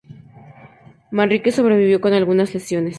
Manrique sobrevivió con algunas lesiones.